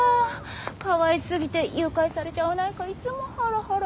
かわいすぎて誘拐されちゃわないかいつもハラハラ。